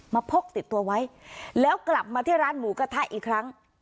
พกติดตัวไว้แล้วกลับมาที่ร้านหมูกระทะอีกครั้ง